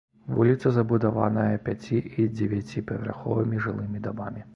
Вуліца забудаваная пяці- і дзевяціпавярховымі жылымі дамамі.